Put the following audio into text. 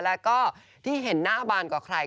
แล้วก็ที่เห็นหน้าบานกว่าใคร